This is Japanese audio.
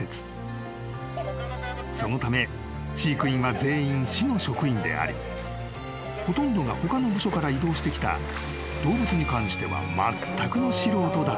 ［そのため飼育員は全員市の職員でありほとんどが他の部署から異動してきた動物に関してはまったくの素人だったのだ］